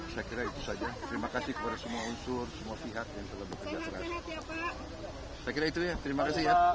saya kira itu saja terima kasih kepada semua unsur semua pihak yang telah bekerjasama